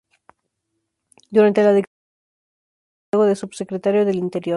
Durante la dictadura militar ocupó el cargo de subsecretario del Interior.